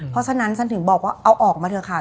เพราะฉะนั้นฉันถึงบอกว่าเอาออกมาเถอะค่ะ